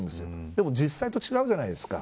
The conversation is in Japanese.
でも実態と違うじゃないですか。